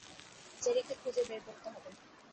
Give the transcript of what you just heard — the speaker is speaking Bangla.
জেরিকে খুঁজে বের করতে হবে।